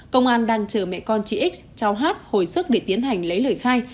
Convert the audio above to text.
công an đang chờ mẹ con chị x cháu hát hồi sức để tiến hành lấy lời khai